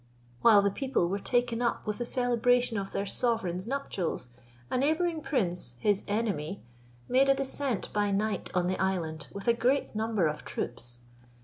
While the people were taken up with the celebration of their sovereign's nuptials, a neighbouring prince, his enemy, made a descent by night on the island with a great number of troops.